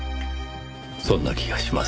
そんな気がします。